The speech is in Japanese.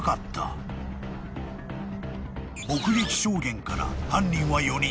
［目撃証言から犯人は４人］